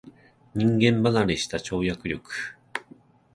人間離れした跳躍力